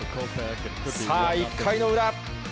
さあ、１回の裏。